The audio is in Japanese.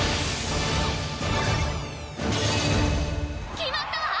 決まったわ！